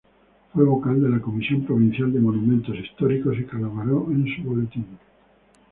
Fue vocal de la Comisión Provincial de Monumentos Históricos y colaboró en su boletín.